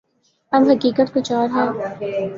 اب حقیقت کچھ اور ہے۔